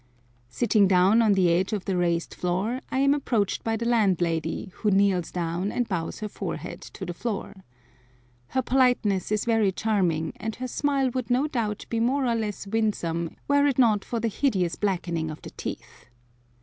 Sitting down on the edge of the raised floor, I am approached by the landlady, who kneels down and bows her forehead to the floor. Her politeness is very charming, and her smile would no doubt be more or less winsome were it not for the hideous blackening of the teeth.